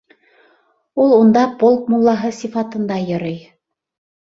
Ул унда полк муллаһы сифатында йөрөй.